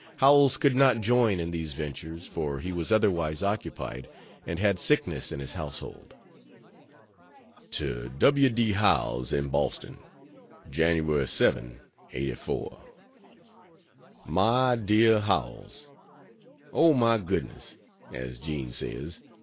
Howells could not join in these ventures, for he was otherwise occupied and had sickness in his household. To W. D. Howells, in Boston: Jan. 7, '84. MY DEAR HOWELLS, "O my goodn's", as Jean says.